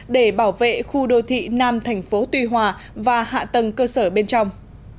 để bảo vệ khu đô thị nam thành phố tuy hòa và hạ tầng cơ sở bên trong